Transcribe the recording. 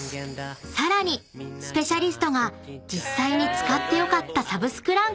［さらにスペシャリストが実際に使って良かったサブスクランキングを発表］